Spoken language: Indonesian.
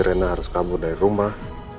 rena harus kabur dari rumah